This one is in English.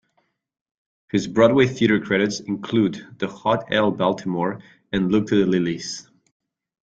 His Broadway theatre credits include "The Hot L Baltimore" and "Look to the Lilies".